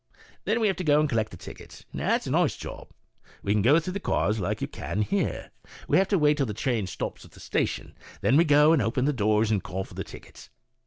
11 Then we have to go and collect the tickets ; that's a nice job. "We can't go through the cars like you can here; we have to wait till the train stops in the station; then we go and open the doors and call for the tickets.